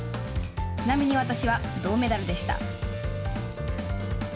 ちなみに、私は銅メダルでした。